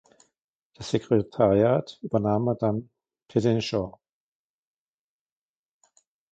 Das Sekretariat übernahm Madame Petitjean.